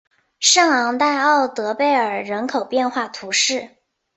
圣昂代奥德贝尔人口变化图示